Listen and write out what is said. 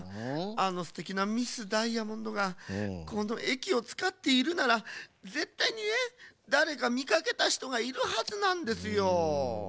あのすてきなミス・ダイヤモンドがこのえきをつかっているならぜったいにねだれかみかけたひとがいるはずなんですよ。